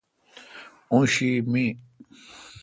اوں شی می